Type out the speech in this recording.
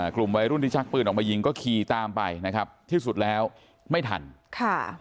กลุ่มวัยรุ่นที่ชักปืนออกมายิงก็ขี่ตามไปนะครับที่สุดแล้วไม่ทันค่ะ